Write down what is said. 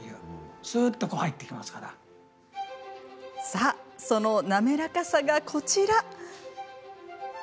さあ、その滑らかさが、こちら。